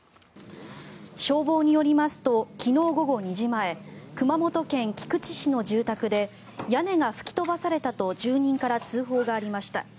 消防によりますと昨日午後２時前熊本県菊池市の住宅で屋根が吹き飛ばされたと住人から通報がありました。